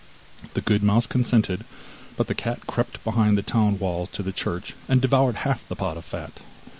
The good mouse consented, but the cat crept behind the town walls to the church, and devoured half the pot of fat.